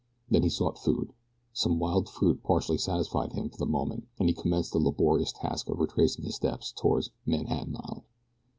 Then he sought food. Some wild fruit partially satisfied him for the moment, and he commenced the laborious task of retracing his steps toward "Manhattan Island."